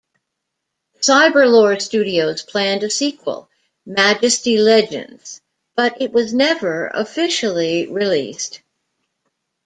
Cyberlore Studios planned a sequel, Majesty Legends, but it was never officially released.